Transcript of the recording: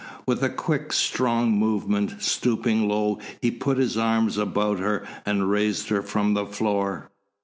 With a quick, strong movement, stooping low he put his arms about her and raised her from the floor.